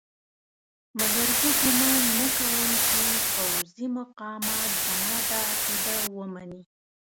مګر زه ګومان نه کوم چې پوځي مقامات زما دا عقیده ومني.